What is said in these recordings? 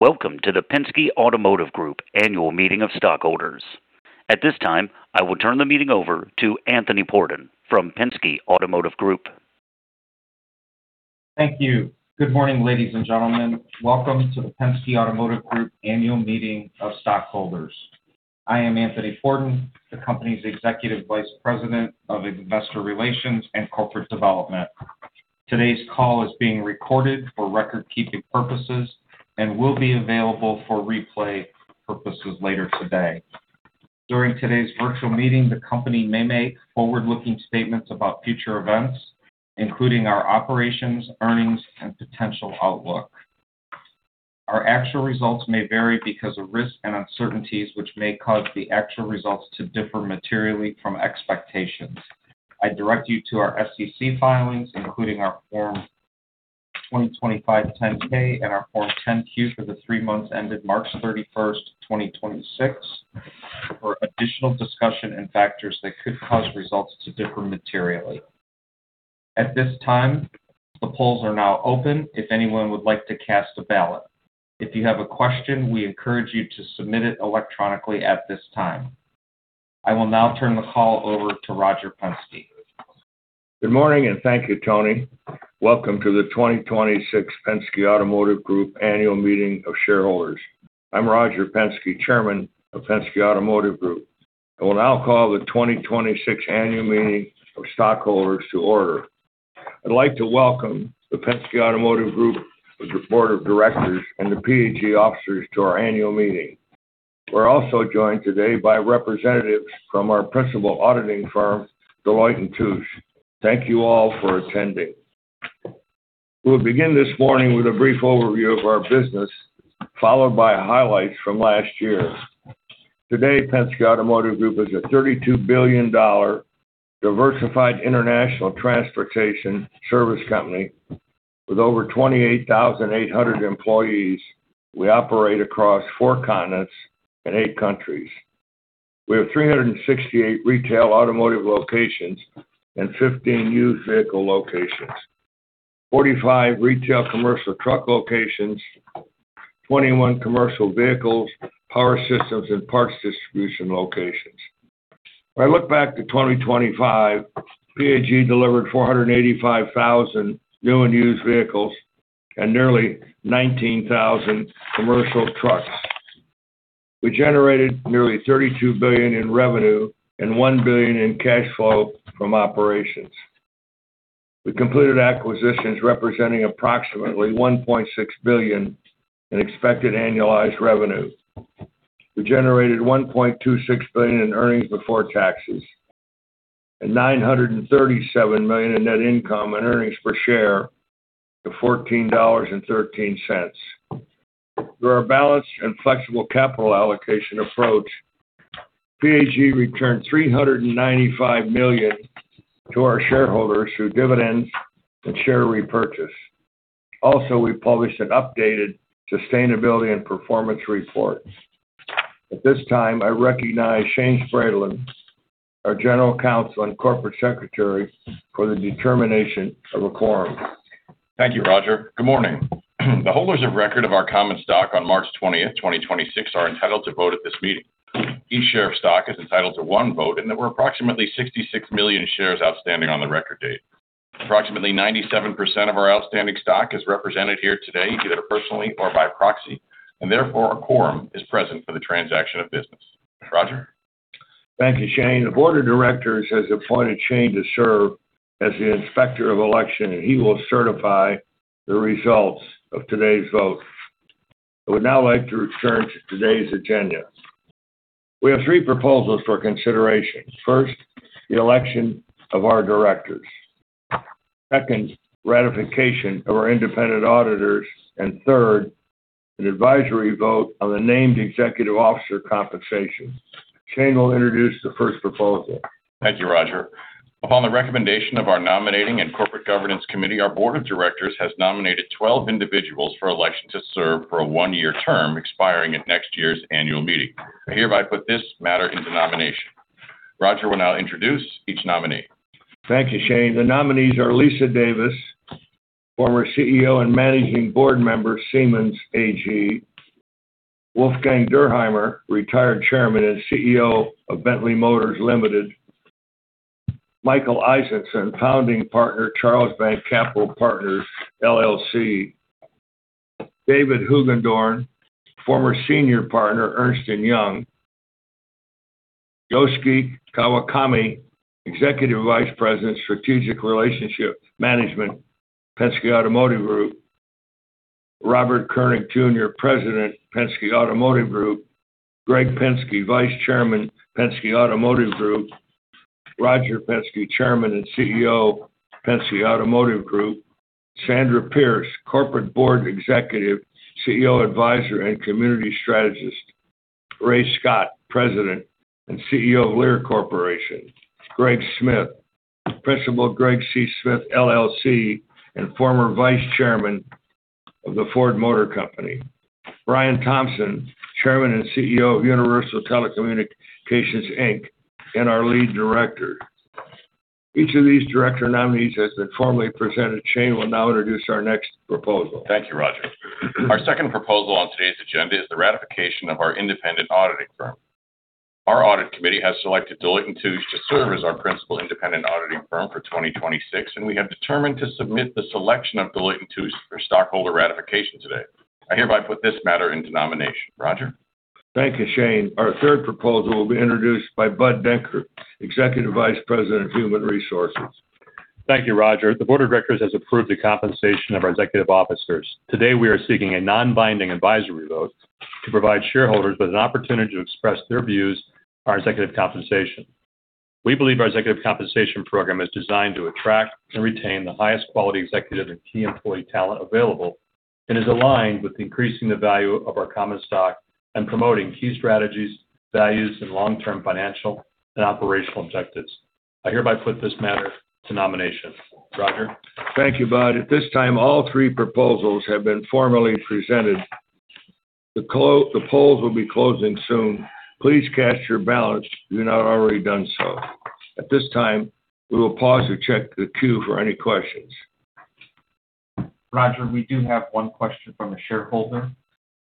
Welcome to the Penske Automotive Group Annual Meeting of Stockholders. At this time, I will turn the meeting over to Anthony Pordon from Penske Automotive Group. Thank you. Good morning, ladies and gentlemen. Welcome to the Penske Automotive Group Annual Meeting of Stockholders. I am Anthony Pordon, the company's Executive Vice President of Investor Relations and Corporate Development. Today's call is being recorded for record-keeping purposes and will be available for replay purposes later today. During today's virtual meeting, the company may make forward-looking statements about future events, including our operations, earnings, and potential outlook. Our actual results may vary because of risks and uncertainties, which may cause the actual results to differ materially from expectations. I direct you to our SEC filings, including our Form 2025 10-K and our Form 10-Q for the three months ended March 31st, 2026 for additional discussion and factors that could cause results to differ materially. At this time, the polls are now open if anyone would like to cast a ballot. If you have a question, we encourage you to submit it electronically at this time. I will now turn the call over to Roger Penske. Good morning. Thank you, Tony. Welcome to the 2026 Penske Automotive Group Annual Meeting of Shareholders. I'm Roger Penske, Chairman of Penske Automotive Group. I will now call the 2026 Annual Meeting of Stockholders to order. I'd like to welcome the Penske Automotive Group Board of Directors and the PAG officers to our annual meeting. We're also joined today by representatives from our principal auditing firm, Deloitte & Touche. Thank you all for attending. We'll begin this morning with a brief overview of our business, followed by highlights from last year. Today, Penske Automotive Group is a $32 billion diversified international transportation service company with over 28,800 employees. We operate across four continents and eight countries. We have 368 retail automotive locations and 15 used vehicle locations, 45 retail commercial truck locations, 21 commercial vehicles, power systems, and parts distribution locations. When I look back to 2025, PAG delivered 485,000 new and used vehicles and nearly 19,000 commercial trucks. We generated nearly $32 billion in revenue and $1 billion in cash flow from operations. We completed acquisitions representing approximately $1.6 billion in expected annualized revenue. We generated $1.26 billion in earnings before taxes and $937 million in net income and earnings per share to $14.13. Through our balanced and flexible capital allocation approach, PAG returned $395 million to our shareholders through dividends and share repurchase. Also, we published an updated sustainability and performance report. At this time, I recognize Shane Spradlin, our General Counsel and Corporate Secretary, for the determination of a quorum. Thank you, Roger. Good morning. The holders of record of our common stock on March 20th, 2026 are entitled to vote at this meeting. Each share of stock is entitled to one vote, and there were approximately 66 million shares outstanding on the record date. Approximately 97% of our outstanding stock is represented here today, either personally or by proxy, and therefore a quorum is present for the transaction of business. Roger? Thank you, Shane. The board of directors has appointed Shane to serve as the Inspector of Election, and he will certify the results of today's vote. I would now like to return to today's agenda. We have three proposals for consideration. First, the election of our directors. Second, ratification of our independent auditors. Third, an advisory vote on the named executive officer compensation. Shane will introduce the first proposal. Thank you, Roger. Upon the recommendation of our Nominating and Corporate Governance Committee, our board of directors has nominated 12 individuals for election to serve for a one-year term expiring at next year's annual meeting. I hereby put this matter into nomination. Roger will now introduce each nominee. Thank you, Shane. The nominees are Lisa Davis, former CEO and managing board member, Siemens AG. Wolfgang Dürheimer, retired Chairman and CEO of Bentley Motors Limited. Michael Eisenson, founding partner, Charlesbank Capital Partners, LLC. David Hoogendoorn, former senior partner, Ernst & Young. Yosuke Kawakami, Executive Vice President, Strategic Relationship Management, Penske Automotive Group. Robert Kurnick Jr., President, Penske Automotive Group. Greg Penske, Vice Chairman, Penske Automotive Group. Roger Penske, Chairman and CEO, Penske Automotive Group. Sandra Pierce, Corporate Board Executive, CEO Advisor, and Community Strategist. Ray Scott, President and CEO of Lear Corporation. Greg Smith, Principal, Greg C. Smith LLC, and former Vice Chairman of the Ford Motor Company. Brian Thompson, Chairman and CEO of Universal Telecommunications, Inc., and our Lead Director. Each of these director nominees has been formally presented. Shane will now introduce our next proposal. Thank you, Roger. Our second proposal on today's agenda is the ratification of our independent auditing firm. Our audit committee has selected Deloitte & Touche to serve as our principal independent auditing firm for 2026, and we have determined to submit the selection of Deloitte & Touche for stockholder ratification today. I hereby put this matter into nomination. Roger? Thank you, Shane. Our third proposal will be introduced by Bud Denker, Executive Vice President of Human Resources. Thank you, Roger. The board of directors has approved the compensation of our executive officers. Today, we are seeking a non-binding advisory vote to provide shareholders with an opportunity to express their views on our executive compensation. We believe our executive compensation program is designed to attract and retain the highest quality executive and key employee talent available, and is aligned with increasing the value of our common stock and promoting key strategies, values, and long-term financial and operational objectives. I hereby put this matter to nomination. Roger? Thank you, Bud. At this time, all three proposals have been formally presented. The polls will be closing soon. Please cast your ballots if you've not already done so. At this time, we will pause to check the queue for any questions. Roger, we do have one question from a shareholder.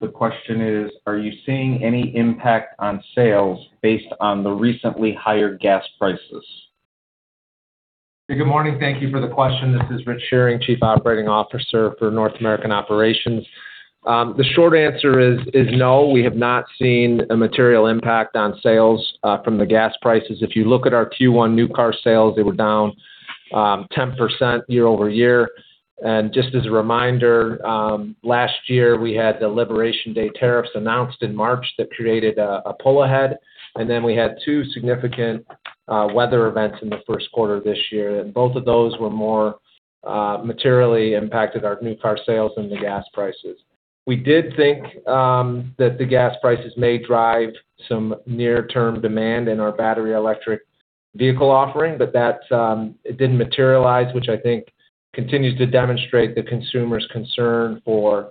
The question is, are you seeing any impact on sales based on the recently higher gas prices? Good morning. Thank you for the question. This is Rich Shearing, Chief Operating Officer for North American Operations. The short answer is no, we have not seen a material impact on sales from the gas prices. If you look at our Q1 new car sales, they were down 10% year-over-year. Just as a reminder, last year we had the Liberation Day tariffs announced in March that created a pull ahead, then we had two significant weather events in the first quarter this year. Both of those were more materially impacted our new car sales than the gas prices. We did think that the gas prices may drive some near-term demand in our battery electric vehicle offering, but that it didn't materialize, which I think continues to demonstrate the consumer's concern for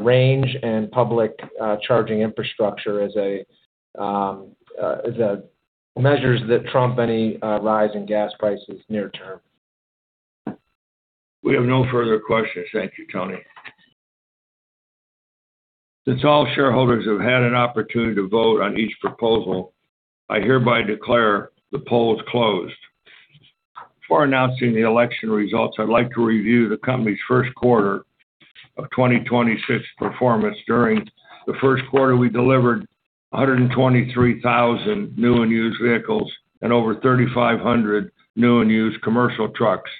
range and public charging infrastructure as measures that trump any rise in gas prices near term. We have no further questions. Thank you, Tony. Since all shareholders have had an opportunity to vote on each proposal, I hereby declare the polls closed. Before announcing the election results, I'd like to review the company's first quarter of 2026 performance. During the first quarter, we delivered 123,000 new and used vehicles and over 3,500 new and used commercial trucks.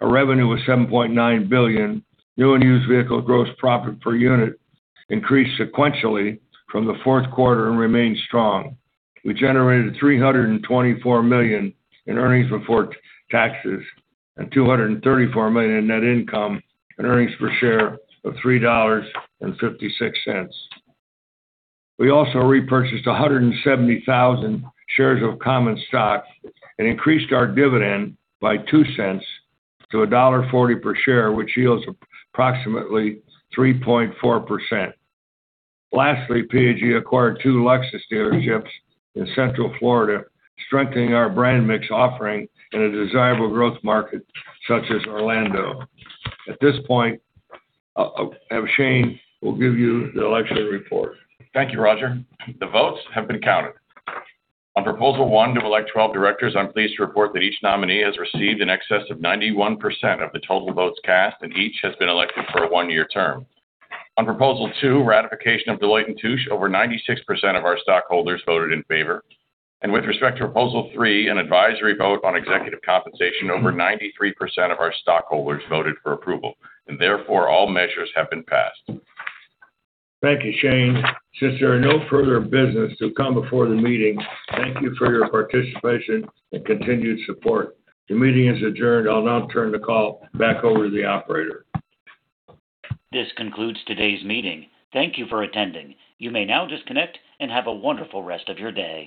Our revenue was $7.9 billion. New and used vehicle gross profit per unit increased sequentially from the fourth quarter and remains strong. We generated $324 million in earnings before taxes and $234 million in net income and earnings per share of $3.56. We also repurchased 170,000 shares of common stock and increased our dividend by $0.02 to $1.40 per share, which yields approximately 3.4%. Lastly, PAG acquired two Lexus dealerships in Central Florida, strengthening our brand mix offering in a desirable growth market such as Orlando. At this point, I'll have Shane, will give you the election report. Thank you, Roger. The votes have been counted. On proposal one to elect 12 directors, I'm pleased to report that each nominee has received in excess of 91% of the total votes cast, and each has been elected for a one-year term. On proposal two, ratification of Deloitte & Touche, over 96% of our stockholders voted in favor. With respect to proposal three, an advisory vote on executive compensation, over 93% of our stockholders voted for approval. Therefore, all measures have been passed. Thank you, Shane. There are no further business to come before the meeting, thank you for your participation and continued support. The meeting is adjourned. I'll now turn the call back over to the operator. This concludes today's meeting. Thank you for attending. You may now disconnect and have a wonderful rest of your day.